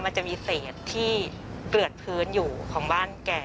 มันจะมีเศษที่เกลือดพื้นอยู่ของบ้านแก